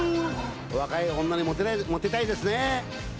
若い女にもてたいですね。